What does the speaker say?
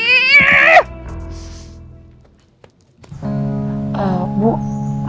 ya ampun ini lagi